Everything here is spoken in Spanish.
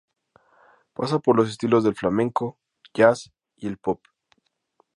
Pasa por los estilos del flamenco, jazz y el pop.